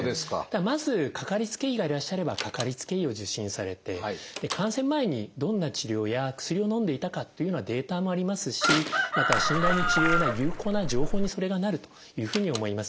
まずかかりつけ医がいらっしゃればかかりつけ医を受診されて感染前にどんな治療や薬をのんでいたかというようなデータもありますしまた診断や治療に有効な情報にそれがなるというふうに思います。